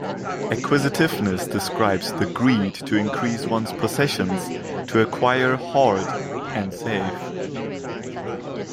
Acquisitiveness describes the greed to increase one's possessions, to acquire, hoard and save.